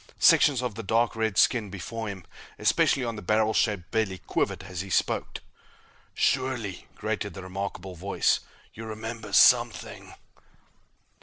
Sections of the dark red skin before him, especially on the barrel shaped belly, quivered as he spoke. "Surely," grated the remarkable voice, "you remember something?"